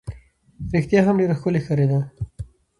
رښتیا هم ډېره ښکلې ښکارېده.